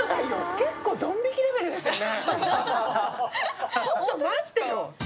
結構、ドン引きレベルですよね。